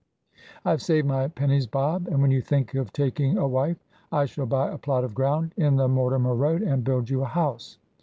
"I have saved my pennies, Bob, and when you think of taking a wife I shall buy a plot of ground in the Mortimer Road and build you a house."